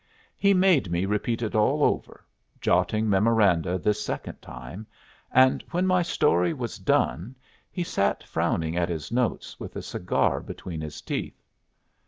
He made me repeat it all over, jotting memoranda this second time; and when my story was done, he sat frowning at his notes, with a cigar between his teeth.